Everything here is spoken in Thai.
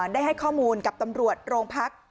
ได้ให้ข้อมูลกับตำรวจโรงพัก